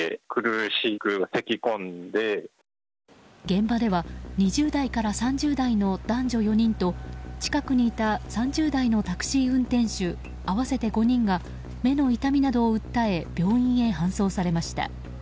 現場では２０代から３０代の男女４人と近くにいた３０代のタクシー運転手合わせて５人が目の痛みなどを訴え病院へ搬送されました。